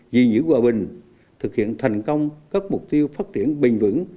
vì giữ hòa bình thực hiện thành công các mục tiêu phát triển bình vững